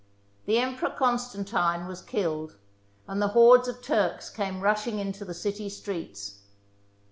The Emperor Constantine was killed, and the hordes of Turks came rushing into the city streets.